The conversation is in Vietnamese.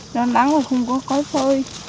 nó đắng là không có cõi phơi